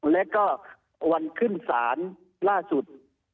แล้วก็วันขึ้นศาลล่าสุด